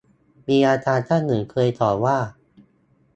มีอาจารย์ท่านหนึ่งเคยสอนว่า